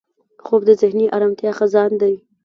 خوب د ذهني ارامتیا خزان دی